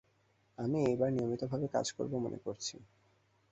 আমি এইবার নিয়মিতভাবে কাজ করব মনে করছি।